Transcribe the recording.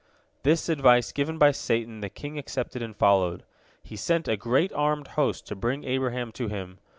This advice given by Satan the king accepted and followed. He sent a great armed host to bring Abraham to him.